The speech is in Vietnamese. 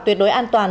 tuyệt đối an toàn